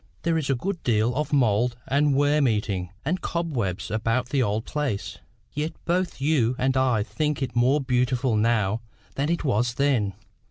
There is a good deal of mould and worm eating and cobwebs about the old place. Yet both you and I think it more beautiful now than it was then.